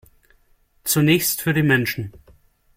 Zunächst für die Menschen.